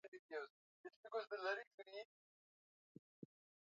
wachaga wanajadili kuhusu uchumi wa ukoo wao